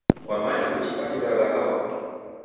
Kwamanya kuchipatiragha hao?